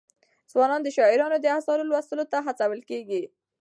ځوانان د شاعرانو د اثارو لوستلو ته هڅول کېږي.